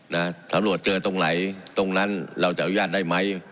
นะสำรวจเจอตรงไหนตรงนั้นเราจะอนุญาตได้ไหม